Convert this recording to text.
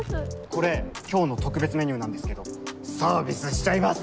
これ今日の特別メニューなんですけどサービスしちゃいます。